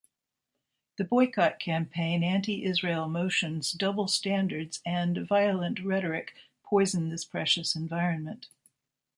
The boycott campaign, anti-Israel motions, double standards and violent rhetoric poison this precious environment.